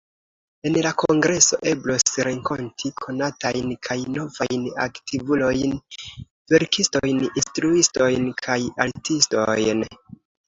En la kongreso, eblos renkonti konatajn kaj novajn aktivulojn, verkistojn, instruistojn, kaj artistojn.